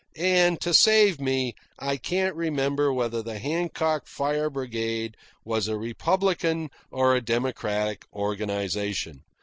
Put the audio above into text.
And, to save me, I can't remember whether the Hancock Fire Brigade was a republican or a democratic organisation.